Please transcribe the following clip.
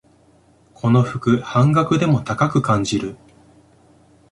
この服、半額でも高く感じる